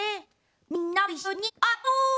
みんなもいっしょにあてよう！